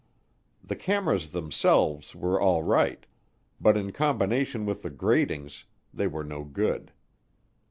The cameras themselves were all right, but in combination with the gratings, they were no good.